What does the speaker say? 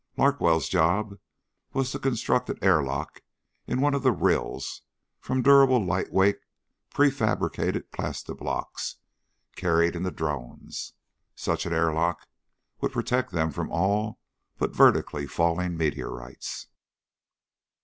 Larkwell's job was to construct an airlock in one of the rills from durable lightweight prefabricated plastiblocks carried in the drones. Such an airlock would protect them from all but vertically falling meteorites.